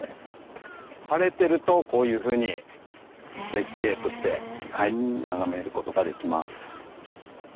晴れてるとこういうふうに絶景として眺めることができます。